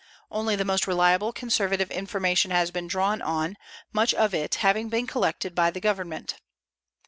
Only the most reliable conservative information has been drawn on, much of it having been collected by the Government.